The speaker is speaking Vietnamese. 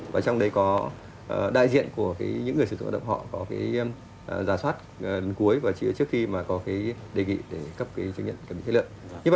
và trong đấy có đại diện của những người sử dụng lao động họ có cái giả soát đến cuối và trước khi mà có cái đề nghị để cấp cái chứng nhận kiểm định chất lượng